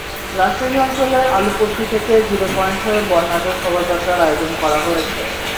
রাজশাহী অঞ্চলের আলুপট্টি থেকে জিরো পয়েন্টে হয়ে বর্ণাঢ্য শোভাযাত্রার আয়োজন করা হয়েছে।